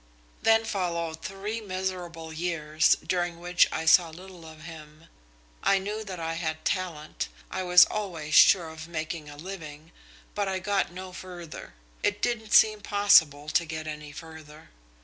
"Then followed three miserable years, during which I saw little of him. I knew that I had talent, I was always sure of making a living, but I got no further. It didn't seem possible to get any further.